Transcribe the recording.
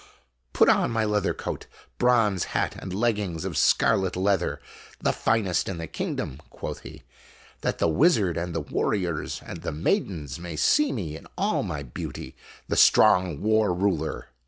" Put on my leather coat, bronze hat, and leggings of scarlet leather, the finest in the kingdom," quoth he, "that the wizard and the warriors and the maidens may see me in all my beauty, the stronof war ruler."